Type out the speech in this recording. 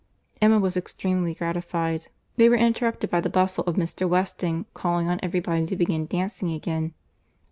Emma was extremely gratified.—They were interrupted by the bustle of Mr. Weston calling on every body to begin dancing again.